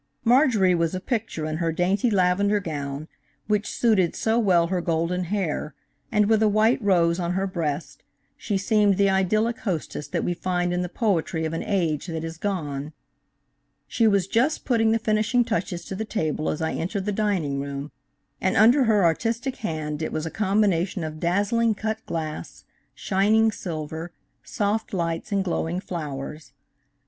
Marjorie was a picture in her dainty lavender gown, which suited so well her golden hair, and with a white rose on her breast she seemed the idyllic hostess that we find in the poetry of an age that is gone. She was just putting the finishing touches to the table as I entered the dining room, and under her artistic hand it was a combination of dazzling cut glass, shining silver, soft lights and glowing flowers.